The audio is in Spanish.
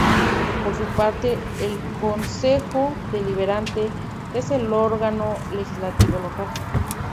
Por su parte, el Concejo Deliberante es el órgano legislativo local.